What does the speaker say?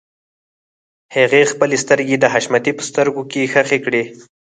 هغې خپلې سترګې د حشمتي په سترګو کې ښخې کړې.